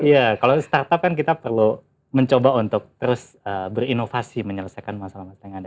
ya kalau startup kan kita perlu mencoba untuk terus berinovasi menyelesaikan masalah masalah yang ada